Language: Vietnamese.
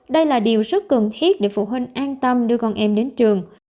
đây là điều rất cần thiết để phụ huynh an tâm đưa con em đến trường